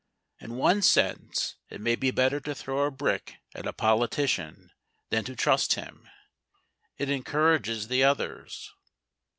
In one sense, it may be better to throw a brick at a politician than to trust him. It encourages the others.